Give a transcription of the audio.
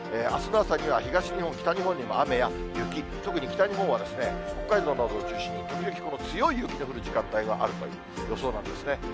あすの朝には東日本、北日本にも雨や雪、特に北日本はですね、北海道などを中心に時々、この強い雪の降る時間帯もあるという予想なんですね。